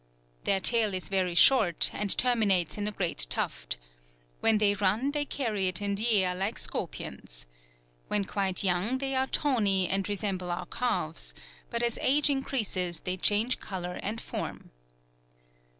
"Their tail is very short, and terminates in a great tuft. When they run they carry it in the air like scorpions. When quite young they are tawny, and resemble our calves; but as age increases they change color and form.